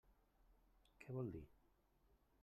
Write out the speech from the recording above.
Què vol dir?